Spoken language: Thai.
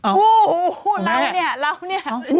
โอ้เราเนี่ย